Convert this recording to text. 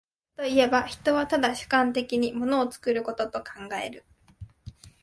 製作といえば、人は唯主観的に物を作ることと考える。